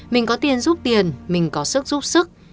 mình có tiền giúp tiền mình có sức giúp sức